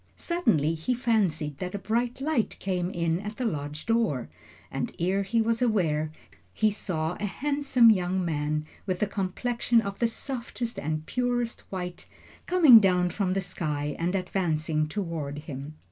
Suddenly he fancied that a bright light came in at the lodge door, and ere he was aware, he saw a handsome young man, with a complexion of the softest and purest white, coming down from the sky and advancing toward him.